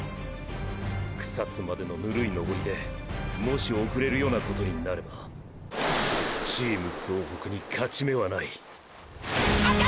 草津までのぬるい登りでもし遅れるようなことになればチーム総北に勝ち目はない！！